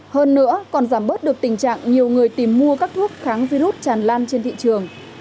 hơn nữa còn giảm bớt được tình trạng nhiều người tìm mua các thuốc kháng virus tràn lan trên thị trường